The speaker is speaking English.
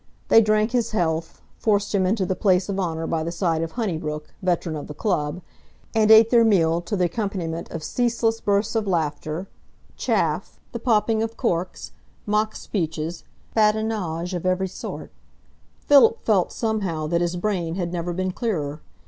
They drank his health, forced him into the place of honour by the side of Honeybrook, veteran of the club, and ate their meal to the accompaniment of ceaseless bursts of laughter, chaff, the popping of corks, mock speeches, badinage of every sort. Philip felt, somehow, that his brain had never been clearer.